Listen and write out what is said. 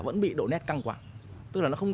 vẫn bị độ nét căng quạng tức là nó không